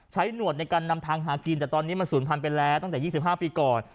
หนวดในการนำทางหากินแต่ตอนนี้มันศูนย์พันธุไปแล้วตั้งแต่๒๕ปีก่อน